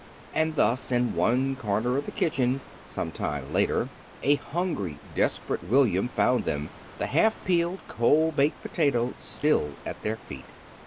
And thus, in one corner of the kitchen, some time later, a hungry, desperate William found them, the half peeled, cold baked potato still at their feet.